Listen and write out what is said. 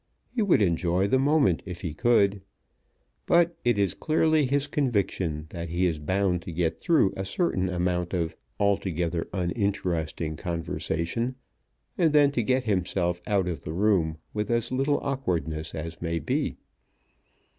He would enjoy the moment if he could. But it is clearly his conviction that he is bound to get through a certain amount of altogether uninteresting conversation, and then to get himself out of the room with as little awkwardness as may be.